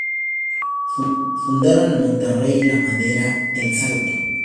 Fundaron en Monterrey la maderera "El Salto".